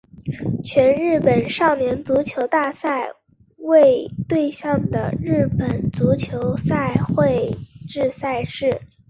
全日本少年足球大赛为对象的日本足球赛会制赛事。